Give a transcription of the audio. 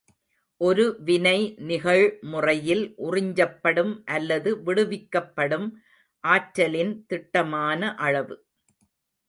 ஒரு வினைநிகழ் முறையில் உறிஞ்சப்படும் அல்லது விடுவிக்கப்படும் ஆற்றலின் திட்டமான அளவு.